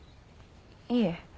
いえ